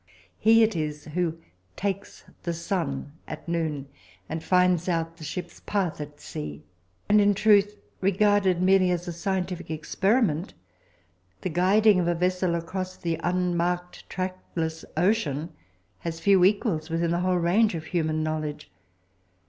He it is who "takes the sun" at noon, and finds out the ship's path at sea. And in truth, regarded merely as a scientific experiment, the guiding of a vessel across the unmarked trackless ocean has few equals within the whole range of human knowledge.